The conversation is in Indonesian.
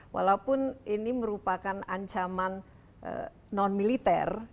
walaupun ini merupakan ancaman non militer